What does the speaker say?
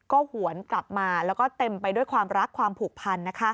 ก็หวนกลับมาแล้วก็เต็มไปด้วยความรักความผูกพัน